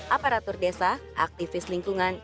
aparatur desa aktivis lingkungan